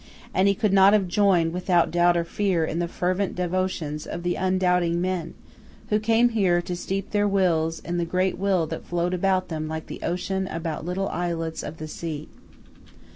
And he could not have joined without doubt or fear in the fervent devotions of the undoubting men, who came here to steep their wills in the great will that flowed about them like the ocean about little islets of the sea.